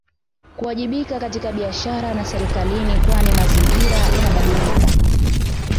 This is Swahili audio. Kuwajibika katika biashara na serikalini kwani mazingira yanabadilika